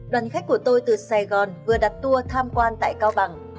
đoàn khách của tôi từ sài gòn vừa đặt tour tham quan tại cao bằng